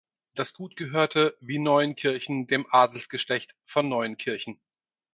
Das Gut gehörte, wie Neuenkirchen, dem Adelsgeschlecht von Neuenkirchen.